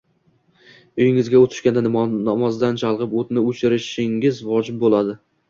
uyingizga o‘t tushganda namozdan chalg‘ib o‘tni o‘chirishingiz vojib bo‘ladi.